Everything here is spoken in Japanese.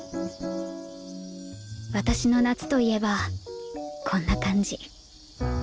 私の「夏」といえばこんな感じ